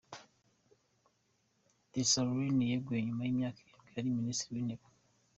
Desaleign yeguye nyuma y’imyaka irindwi ari Minisitiri w’intebe